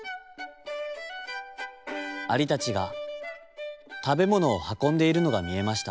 アリたちがたべものをはこんでいるのがみえました。